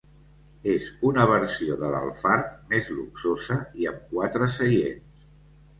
És una versió de l'Alphard més luxosa i amb quatre seients.